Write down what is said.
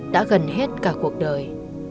đã gần hết cả cuộc đời